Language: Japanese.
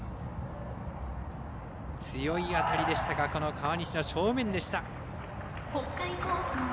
強い当たりでしたが川西の正面でした。